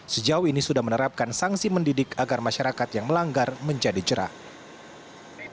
sejauh ini sudah menerapkan sanksi mendidik agar masyarakat yang melanggar menjadi jerah